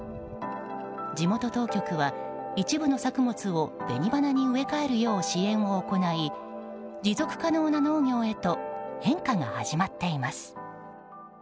地元当局は、一部の作物を紅花に植え替えるよう支援を行い持続可能な農業へと変化が始まっています。